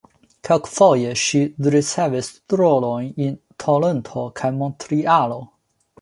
Kelkfoje ŝi ricevis rolojn en Toronto kaj Montrealo.